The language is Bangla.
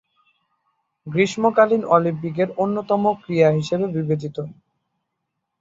গ্রীষ্মকালীন অলিম্পিকের অন্যতম ক্রীড়া হিসেবে বিবেচিত।